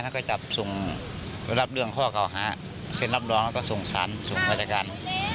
แล้วก็จับส่งรับเรื่องข้อเก่าหาเซ็นรับรองแล้วก็ส่งสารส่งอายการ